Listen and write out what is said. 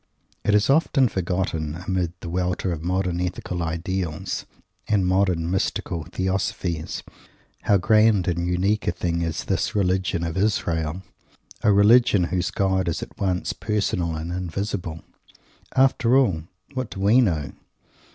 It is often forgotten, amid the welter of modern ethical ideals and modern mystical theosophies, how grand and unique a thing is this Religion of Israel a religion whose God is at once Personal and Invisible. After all, what do we know?